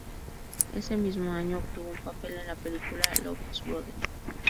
Ese mismo año obtuvo un papel en la película "Love's Brother".